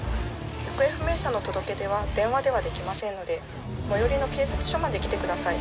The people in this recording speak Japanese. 行方不明者の届け出は電話ではできませんので最寄りの警察署まで来てください。